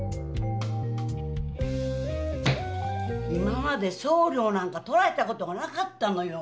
今まで送料なんか取られた事がなかったのよ！